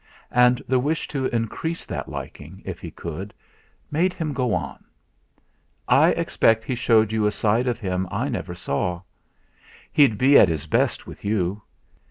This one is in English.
And the wish to increase that liking, if he could, made him go on: "I expect he showed you a side of him I never saw. He'd be at his best with you.